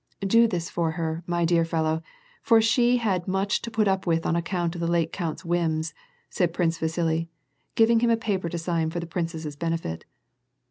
" Do this for her, my dear fellow, for she had much to put up with on account of the late count's whims/' said Prince Vasili, giving him a paper to sign for the princess's benefit.